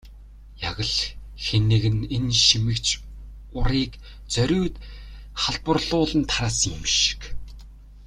Яг л хэн нэг нь энэ шимэгч урыг зориуд халдварлуулан тараасан юм шиг.